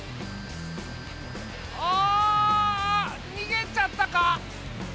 ああにげちゃったか。